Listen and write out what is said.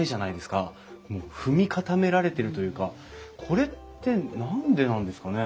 もう踏み固められてるというかこれって何でなんですかね？